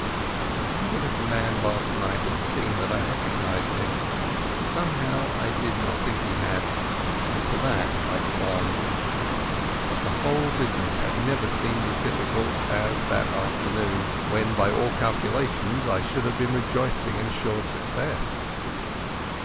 I wondered if the man last night had seen that I recognized him. Somehow I did not think he had, and to that I had clung. But the whole business had never seemed so difficult as that afternoon when by all calculations I should have been rejoicing in assured success.